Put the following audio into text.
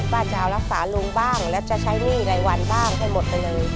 ว่าจะเอารักษาลุงบ้างแล้วจะใช้หนี้รายวันบ้างให้หมดไปเลย